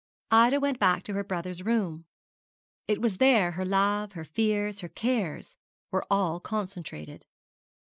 Ida went back to her brother's room. It was there her love, her fears, her cares were all concentrated.